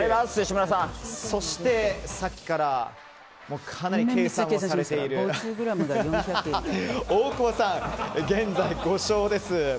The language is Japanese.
そして、さっきからかなり計算をされている大久保さん、現在５勝です。